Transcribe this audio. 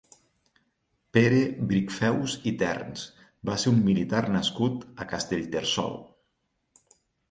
Pere Bricfeus i Terns va ser un militar nascut a Castellterçol.